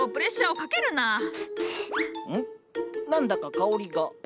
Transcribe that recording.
何だか香りが。